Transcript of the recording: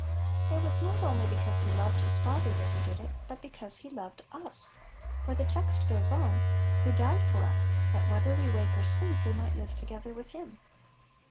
It was not only because He loved His Father that He did it, but because He loved us; for the text goes on — "Who died for us, that, whether we wake or sleep, we might live together with Him."